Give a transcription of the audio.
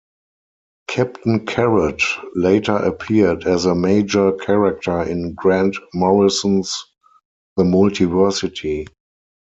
Captain Carrot later appeared as a major character in Grant Morrison's "The Multiversity".